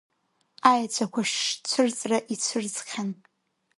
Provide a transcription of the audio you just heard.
Аеҵәақәа шцәырҵра ицәырҵхьан.